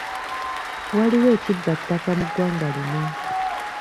Waliwo ekibba ttaka mu ggwanga lino.